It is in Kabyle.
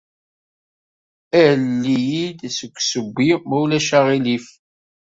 Alel-iyi deg ussewwi, ma ulac aɣilif.